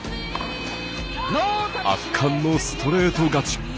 圧巻のストレート勝ち。